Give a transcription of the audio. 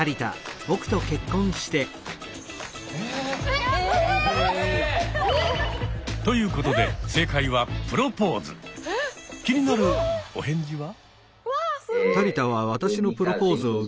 えっ！？ということで正解は気になるお返事は？